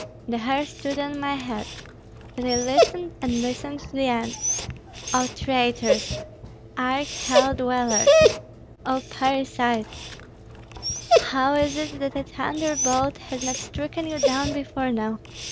The hair stood on my head, but I listened and listened to the end. O traitors! arch hell dwellers! O parricides! How is it, that a thunderbolt has not stricken you down before now?